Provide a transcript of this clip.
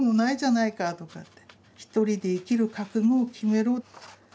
一人で生きる覚悟を決めろ」。